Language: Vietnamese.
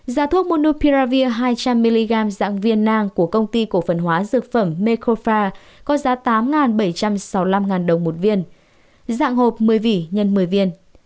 giá thuốc munopiravir hai trăm linh mg dạng viên nang của công ty cổ phần hóa dược phẩm mekofa có giá tám bảy trăm sáu mươi năm đồng một viên dạng hộp một mươi vỉ x một mươi viên